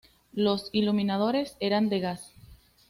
Los iluminadores eran de gas.